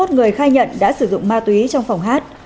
sáu mươi một người khai nhận đã sử dụng ma túy trong phòng hát